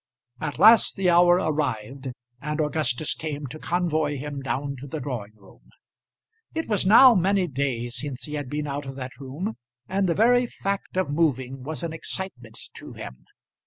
At last the hour arrived, and Augustus came to convoy him down to the drawing room. It was now many days since he had been out of that room, and the very fact of moving was an excitement to him.